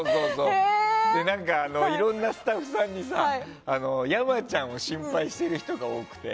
何かいろんなスタッフさんに山ちゃんを心配している人が多くて。